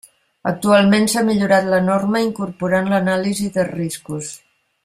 Actualment s'ha millorat la norma incorporant l'anàlisi de riscos.